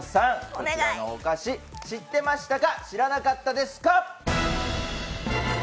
こちらのお菓子、知ってましたか知らなかったですか？